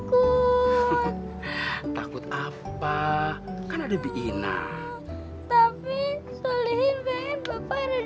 kok udah tadi ngeliatin ikan terus